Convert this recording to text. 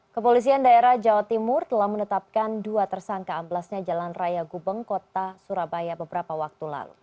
kepolisian daerah jawa timur telah menetapkan dua tersangka amblasnya jalan raya gubeng kota surabaya beberapa waktu lalu